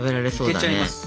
いけちゃいます